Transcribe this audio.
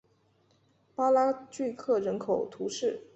巴拉聚克人口变化图示